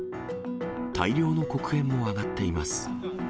大量の黒煙も上がっています。